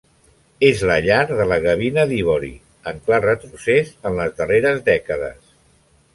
És la llar de la gavina d'ivori, en clar retrocés en les darreres dècades.